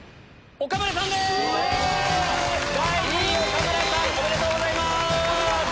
おめでとうございます！